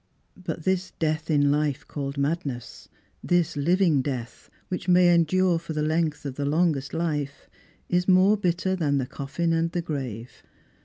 But this death in Ufe called madness— this living death, which may endure for the length of the longest life— is more bitter than the coffin and the grave.